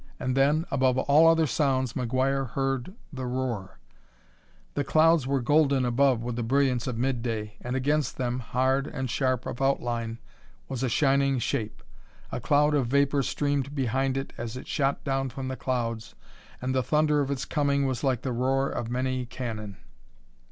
And then, above all other sounds McGuire heard the roar The clouds were golden above with the brilliance of midday and against them, hard and sharp of outline, was a shining shape. A cloud of vapor streamed behind it as it shot down from the clouds, and the thunder of its coming was like the roar of many cannon.